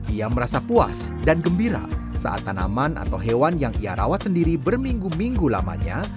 ia merasa puas dan gembira saat tanaman atau hewan yang ia rawat sendiri berminggu minggu lamanya